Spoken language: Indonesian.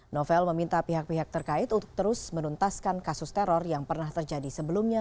novel meminta pihak pihak terkait untuk terus menuntaskan kasus teror yang pernah terjadi sebelumnya